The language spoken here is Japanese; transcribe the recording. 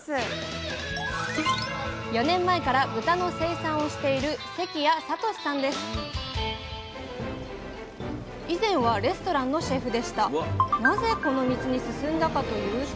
４年前から豚の生産をしている以前はレストランのシェフでした。